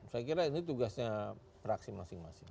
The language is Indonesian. saya kira ini tugasnya praksi masing masing